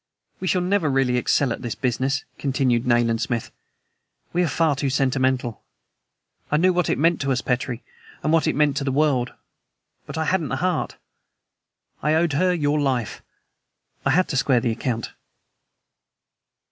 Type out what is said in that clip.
"We shall never really excel at this business," continued Nayland Smith. "We are far too sentimental. I knew what it meant to us, Petrie, what it meant to the world, but I hadn't the heart. I owed her your life I had to square the account."